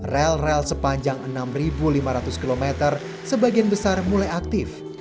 rel rel sepanjang enam lima ratus km sebagian besar mulai aktif